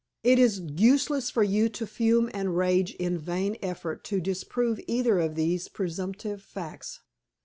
It is useless for you to fume and rage in vain effort to disprove either of these presumptive facts.